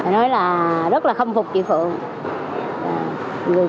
nói là rất là khâm phục chị phượng